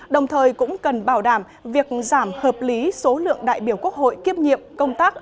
đồng thời cũng cần bảo đảm việc giảm hợp lý số lượng đại biểu quốc hội kiếp nhiệm công tác